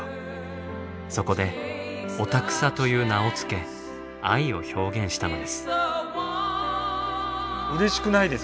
そこで「オタクサ」という名をつけ愛を表現したのです。